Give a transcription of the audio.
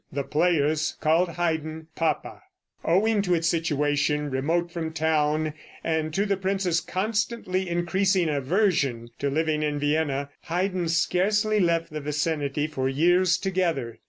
The players called Haydn "Papa." [Illustration: Fig. 53.] Owing to its situation, remote from town, and to the prince's constantly increasing aversion to living in Vienna, Haydn scarcely left the vicinity for years together.